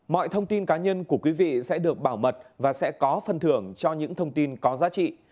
mọi thông tin cá nhân của quý vị sẽ được bảo mật và sẽ có phần thưởng cho những thông tin có giá trị